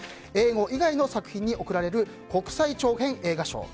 英語以外の作品に贈られる国際長編映画賞。